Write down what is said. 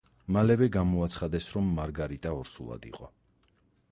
მალევე გამოაცხადეს, რომ მარგარიტა ორსულად იყო.